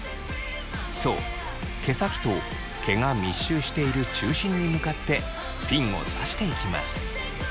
そう毛先と毛が密集している中心に向かってピンを挿していきます。